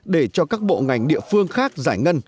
để cho các bộ ngành địa phương khác giải ngân